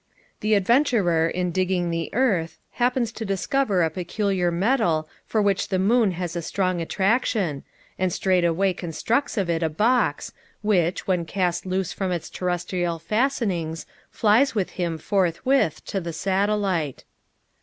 The adventurer, in digging the earth, happens to discover a peculiar metal for which the moon has a strong attraction, and straightway constructs of it a box, which, when cast loose from its terrestrial fastenings, flies with him, forthwith, to the satellite.